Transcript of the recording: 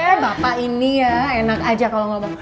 kayaknya bapak ini ya enak aja kalau ngomong